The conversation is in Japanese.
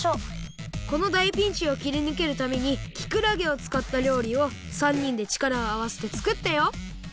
このだいピンチをきりぬけるためにきくらげをつかったりょうりを３にんでちからをあわせてつくったよ